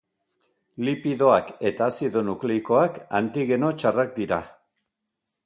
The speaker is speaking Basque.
Lipidoak eta azido nukleikoak antigeno txarrak dira.